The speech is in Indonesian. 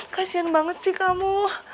kasian banget sih kamu